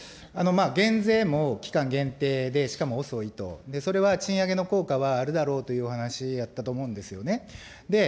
減税も期間限定で、しかも遅いと、それは賃上げの効果はあるだろうというふうなお話あったと思うんですよね。